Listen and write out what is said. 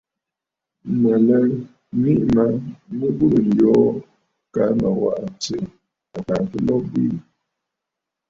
Mə̀ lɛ miʼì ma mɨ burə̀ yoo kaa mə waʼà tsiʼì àtàà fɨlo bwiî.